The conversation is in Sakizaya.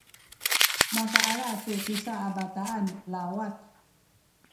makaala tu tusa a bataan lawat